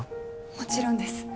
もちろんです。